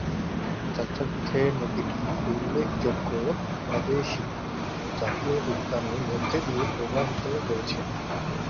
যাত্রাপথে নদীটি উল্লেখযোগ্য প্রাদেশিক ও জাতীয় উদ্যানের মধ্যে দিয়ে প্রবাহিত হয়েছে।